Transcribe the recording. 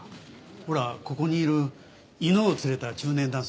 ほらここにいる犬を連れた中年男性。